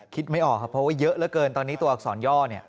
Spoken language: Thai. ไม่ออกครับเพราะว่าเยอะเหลือเกินตอนนี้ตัวอักษรย่อเนี่ย